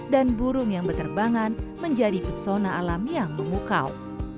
dan burung yang berterbangan menjadi pesona alam yang memukau